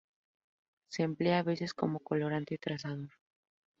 Se emplea a veces como colorante trazador.